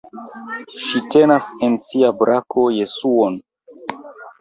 Ŝi tenas en sia brako Jesuon.